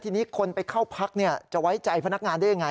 ทีนี้คนไปเข้าพักจะไว้ใจพนักงานได้ยังไง